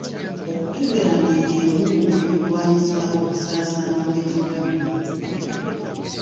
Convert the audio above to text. Okukebera ngeri emu ey'okulwanyisa okusaasaana kw'ekirwadde.